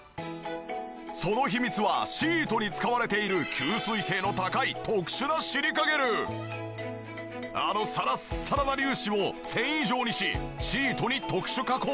その秘密はシートに使われている吸水性の高いあのサラッサラな粒子を繊維状にしシートに特殊加工。